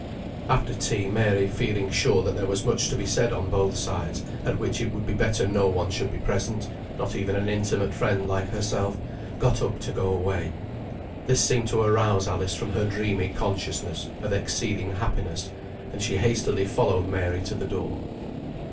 After tea, Mary, feeling sure there was much to be said on both sides, at which it would be better no one should be present, not even an intimate friend like herself, got up to go away. This seemed to arouse Alice from her dreamy consciousness of exceeding happiness, and she hastily followed Mary to the door.